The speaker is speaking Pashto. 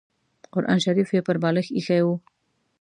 قران شریف یې پر بالښت اېښی و.